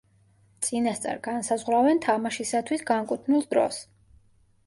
წინასწარ განსაზღვრავენ თამაშისათვის განკუთვნილ დროს.